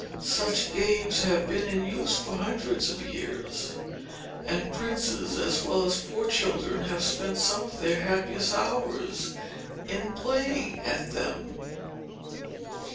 Such games have been in use for hundreds of years; and princes as well as poor children have spent some of their happiest hours in playing at them.